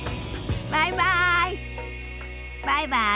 バイバイ。